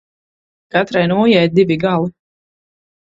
Katrai nūjai divi gali.